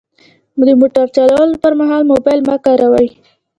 د موټر چلولو پر مهال موبایل مه کاروئ.